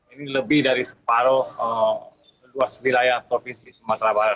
ini lebih dari separuh luas wilayah provinsi sumatera barat